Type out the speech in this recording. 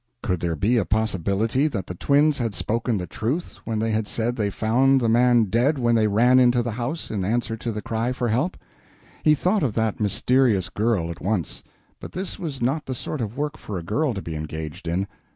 Could there be a possibility that the twins had spoken the truth when they said they found the man dead when they ran into the house in answer to the cry for help? He thought of that mysterious girl at once. But this was not the sort of work for a girl to be engaged in.